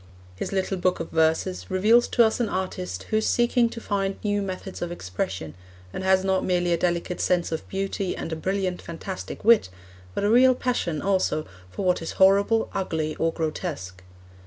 His little Book of Verses reveals to us an artist who is seeking to find new methods of expression and has not merely a delicate sense of beauty and a brilliant, fantastic wit, but a real passion also for what is horrible, ugly, or grotesque.